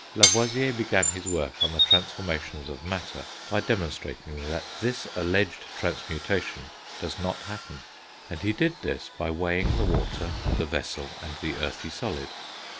Lavoisier began his work on the transformations of matter by demonstrating that this alleged transmutation does not happen; and he did this by weighing the water, the vessel, and the earthy solid.